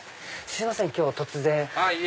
すいません今日突然。